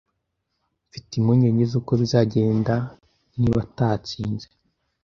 Mfite impungenge zuko bizagenda niba atatsinze.